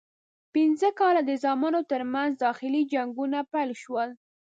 پنځه کاله د زامنو ترمنځ داخلي جنګونه پیل شول.